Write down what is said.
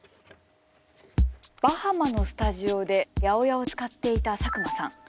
バハマのスタジオで８０８を使っていた佐久間さん。